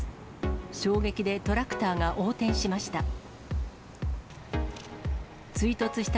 衝撃でトラクターが横転しました。